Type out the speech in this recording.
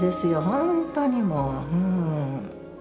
本当にもう。